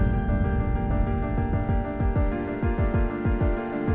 pengorbanan yang tidak bisa dikendalikan